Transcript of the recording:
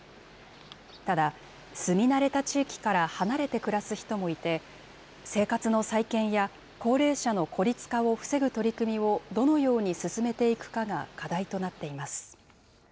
ただ、住み慣れた地域から離れて暮らす人もいて、生活の再建や高齢者の孤立化を防ぐ取り組みを、どのように進めていくかが課題となっています。